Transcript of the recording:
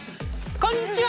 こんにちは！